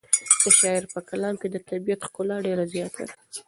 د شاعر په کلام کې د طبیعت ښکلا ډېره زیاته ده.